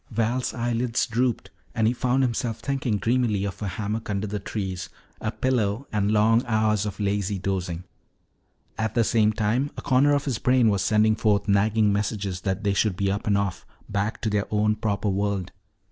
Val's eyelids drooped and he found himself thinking dreamily of a hammock under the trees, a pillow, and long hours of lazy dozing. At the same time a corner of his brain was sending forth nagging messages that they should be up and off, back to their own proper world.